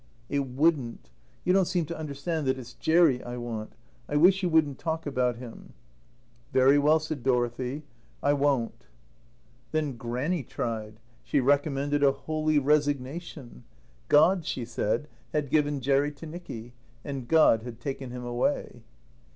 "It wouldn't. You don't seem to understand that it's Jerry I want. I wish you wouldn't talk about him." "Very well," said Dorothy, "I won't." Then Grannie tried. She recommended a holy resignation. God, she said, had given Jerry to Nicky, and God had taken him away.